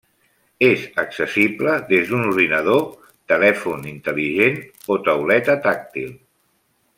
És accessible des d'un ordinador, telèfon intel·ligent o tauleta tàctil.